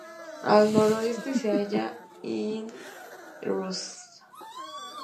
Al noroeste se halla Ibn-Rushd.